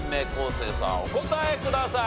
生さんお答えください。